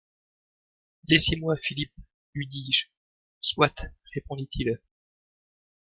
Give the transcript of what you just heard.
Laissez-moi Philippe, » lui dis-je. —« Soit, répondit-il.